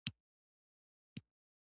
خپل نظر مو ولې خوښه ده باید څرګند کړئ.